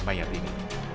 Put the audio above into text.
pembuatan bayi ini